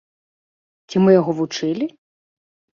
Ці мы яго вучылі?